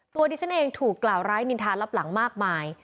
ดิฉันเองถูกกล่าวร้ายนินทารับหลังมากมาย